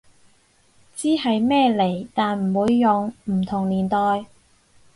知係咩嚟但唔會用，唔同年代